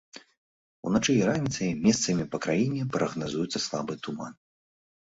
Уначы і раніцай месцамі па краіне прагназуецца слабы туман.